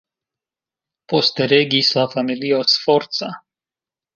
Poste regis la familio Sforza.